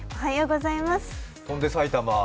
「翔んで埼玉」